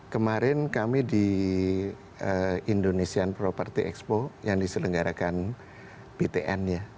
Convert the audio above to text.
kemarin kami di indonesian property expo yang diselenggarakan btn ya